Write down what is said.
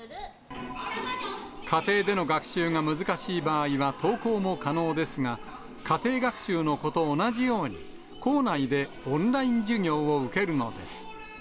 家庭での学習が難しい場合は登校も可能ですが、家庭学習の子と同じように、校内でオンライン授業を受けるのです。